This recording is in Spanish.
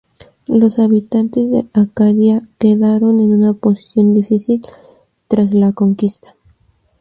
Los habitantes de Acadia quedaron en una posición difícil tras la conquista.